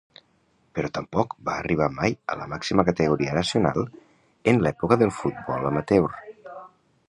Però tampoc va arribar mai a la màxima categoria nacional en l'època del futbol amateur.